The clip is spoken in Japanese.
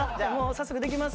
早速できますか？